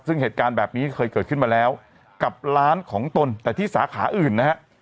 ซึ่งเหตุการณ์แบบนี้เคยเกิดขึ้นมาแล้วกับร้านของตนแต่ที่สาขาอื่นนะฮะ